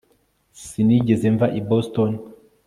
Sinigeze mva i Boston